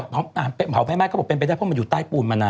เผาไม่ไหม้นะเผาไม่ไหม้ก็เป็นไปได้เพราะมันอยู่ใต้ปูนมานาน